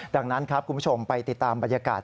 ดังนั้นครับคุณผู้ชมไปติดตามบรรยากาศ